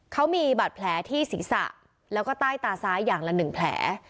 เขามีบาดแผลที่ศีรษะแล้วก็ใต้ตาซ้ายอย่างละ๑แผล